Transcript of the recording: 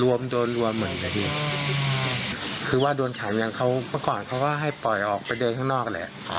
รวมโดนรวมเหมือนกันพี่คือว่าโดนขังอย่างเขาเมื่อก่อนเขาก็ให้ปล่อยออกไปเดินข้างนอกแหละ